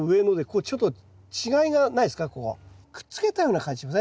くっつけたような感じしません？